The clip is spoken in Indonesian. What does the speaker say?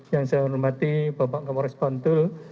yang saya hormati bapak kapolres bantul